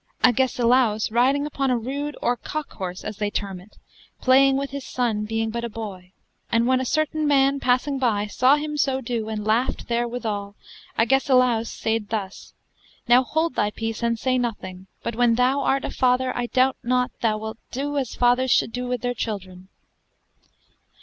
Agesilaus riding upon a rude, or cock horse as they terme it, played with his sonne beeing but a boy: and when a certayn man passing by sawe him so doe and laughed there withall, Agesilaus sayde thus, Now hold thy peace and say nothing; but when thou art a father I doubt not thou wilt doe as fathers should doe with their children.